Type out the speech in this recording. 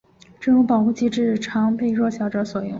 这种保护机制常被弱小者所用。